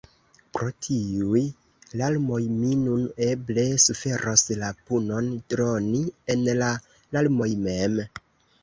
“Pro tiuj larmoj mi nun eble suferos la punon droni en la larmoj mem.